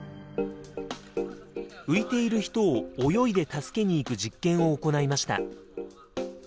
浮いている人を泳いで助けに行く実験を行いました。